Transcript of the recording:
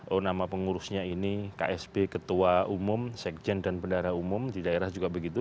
oh nama pengurusnya ini ksb ketua umum sekjen dan bendara umum di daerah juga begitu